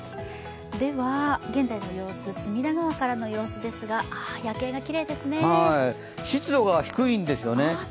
現在の様子、隅田川からの様子ですが、湿度が低いんですよね。